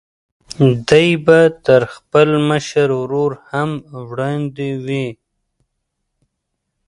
دی به تر خپل مشر ورور هم وړاندې وي.